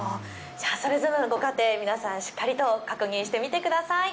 それぞれのご家庭、皆さん、しっかりと確認してみてください。